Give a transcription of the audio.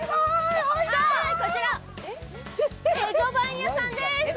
こちら蝦夷番屋さんです。